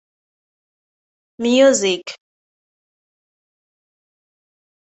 music